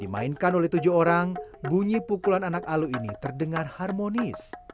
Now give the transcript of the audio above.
dimainkan oleh tujuh orang bunyi pukulan anak alu ini terdengar harmonis